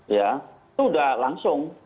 itu sudah langsung